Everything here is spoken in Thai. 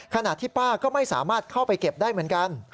ขณะที่ป้าก็ไม่สามารถเข้าไปเก็บได้เหมือนกัน